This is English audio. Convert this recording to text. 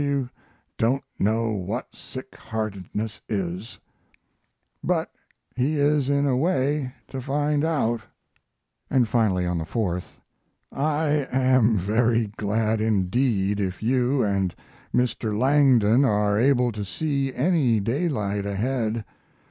W don't know what sick heartedness is but he is in a way to find out. And finally, on the 4th: I am very glad indeed if you and Mr. Langdon are able to see any daylight ahead.